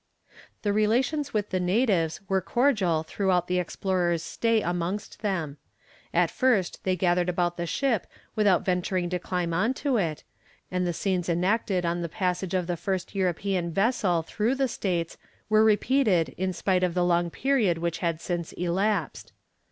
The relations with the natives were cordial throughout the explorer's stay amongst them. At first they gathered about the ship without venturing to climb on to it, and the scenes enacted on the passage of the first European vessel through the states were repeated in spite of the long period which had since elapsed.